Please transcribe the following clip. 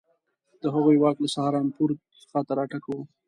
د هغوی واک له سهارنپور څخه تر اټک وو.